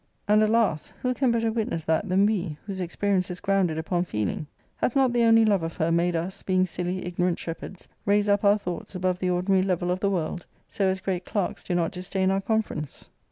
And, alas, who can better witness that than we, whose experience is grounded upon feeling ? Hath not jthe only love of her made us, being silly ignorant shepherds, raise up our thoughts above the ordinary level of the world, so as great clerks do not disdain our. conference?